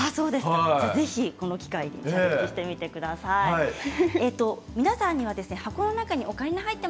ぜひこの機会に挑戦してみてください。